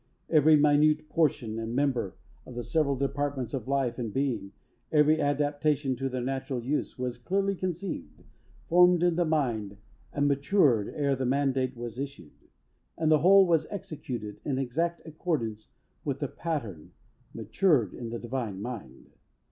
Every minute portion and member of the several departments of life and being, every adaptation to their natural use, was clearly conceived, formed in the mind, and matured, ere the mandate was issued. And the whole was executed in exact accordance with the pattern matured in the Divine Mind.